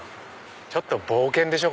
ちょっと冒険でしょ